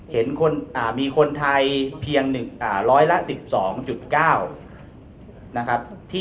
เห็นมีคนไทยเพียง๑๐๐ละ๑๒๙